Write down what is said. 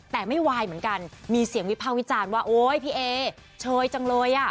แต่ไม่วายเหมือนกันมีเสียงวิภาควิจารณ์ว่าโอ๊ยพี่เอเชยจังเลยอ่ะ